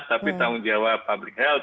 tapi tanggung jawab public health